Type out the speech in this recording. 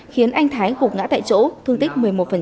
khiến anh thái gục ngã tại chỗ thương tích một mươi một